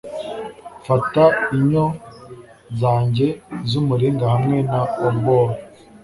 Fata inyo zanjye z'umuringa hamwe na obol